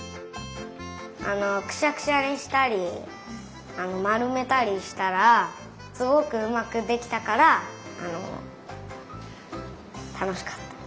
あのくしゃくしゃにしたりまるめたりしたらすごくうまくできたからあのたのしかった。